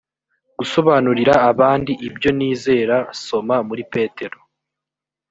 gusobanurira abandi ibyo nizera soma muri petero